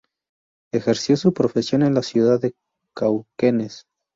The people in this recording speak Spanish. Ejerció su profesión en la ciudad de Cauquenes.